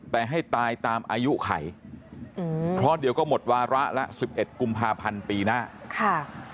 แต่ให้ตายตามอายุไขเพราะเดี๋ยวก็หมดวาระละ๑๑กุมภาพันธ์ปีหน้าค่ะ